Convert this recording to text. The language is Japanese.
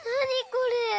これ。